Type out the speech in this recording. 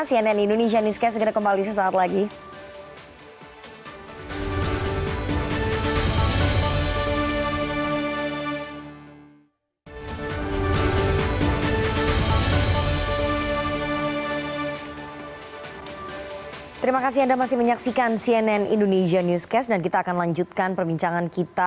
sianen indonesia newscast segera kembali sesaat lagi